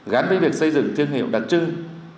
gắn với việc xây dựng thương hiệu đặc trưng